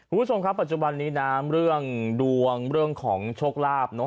ผู้ชมครับปัจจุบันนี้เรื่องดวงเรื่องของโชคลาภ